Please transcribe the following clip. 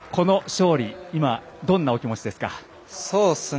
この勝利、どんなお気持ちですか。